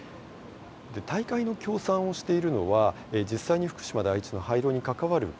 大会の協賛をしているのは実際に福島第一の廃炉に関わる企業などです。